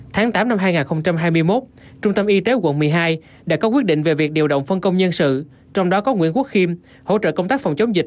tháng tám năm hai nghìn hai mươi một trung tâm y tế quận một mươi hai đã có quyết định về việc điều động phân công nhân sự trong đó có nguyễn quốc khiêm hỗ trợ công tác phòng chống dịch